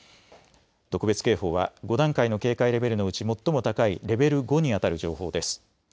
特別警報は５段階の警戒レベルのうち最も高いレベル５にあたる情報です。